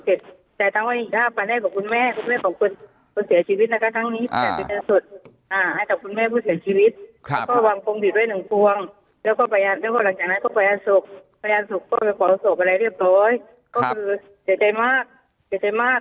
แปรงศพก็ไปปล่อยศพอะไรเรียบร้อยก็คือเศรษฐ์ใจมากเศรษฐ์ใจมาก